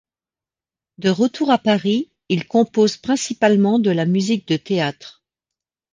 De retour à Paris il compose principalement de la musique de théâtre.